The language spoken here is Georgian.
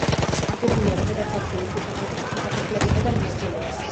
აგებულია ქვედაცარცული ქვიშაქვებით, თიხაფიქლებითა და მერგელებით.